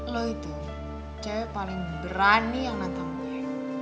lo itu cewek paling berani yang nantang gue